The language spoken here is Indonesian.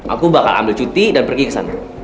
aku bakal ambil cuti dan pergi ke sana